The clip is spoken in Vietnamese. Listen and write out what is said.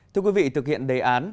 thưa quý vị thực hiện đề án